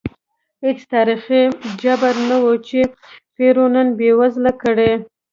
هېڅ تاریخي جبر نه و چې پیرو نن بېوزله کړي.